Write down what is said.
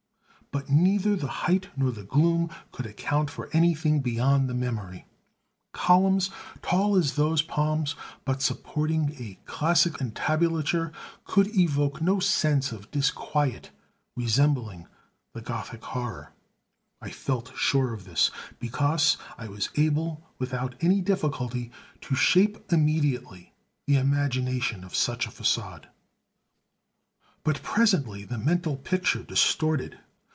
But neither the height nor the gloom could account for anything beyond the memory. Columns tall as those palms, but supporting a classic entablature, could evoke no sense of disquiet resembling the Gothic horror. I felt sure of this, because I was able, without any difficulty, to shape immediately the imagination of such a façade. But presently the mental picture distorted.